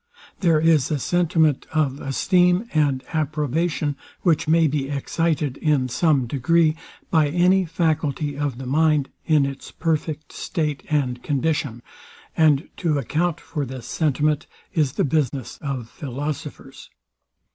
There is a sentiment of esteem and approbation, which may be excited, in some degree, by any faculty of the mind, in its perfect state and condition; and to account for this sentiment is the business of Philosophers.